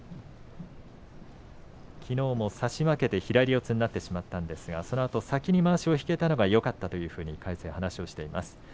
きのうも差し負けて左四つになってしまいましたがそのあと先にまわしを引けたのがよかったと話していました。